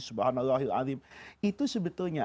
subhanallah hiladhim itu sebetulnya